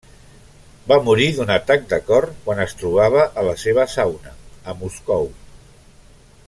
Va morir d'un atac de cor quan es trobava a la seva sauna, a Moscou.